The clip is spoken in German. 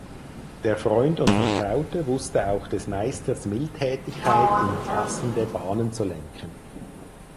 Der Freund und Vertraute wusste auch des Meisters Mildtätigkeit in passende Bahnen zu lenken.